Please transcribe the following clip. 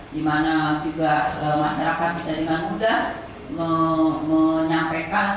di mana juga masyarakat berjadikan muda menyampaikan